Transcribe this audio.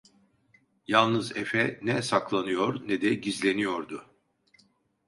Yalnız efe, ne saklanıyor, ne de gizleniyordu.